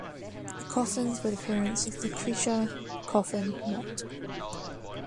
The Coffins were the parents of Lucretia Coffin Mott.